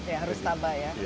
ya harus tabah ya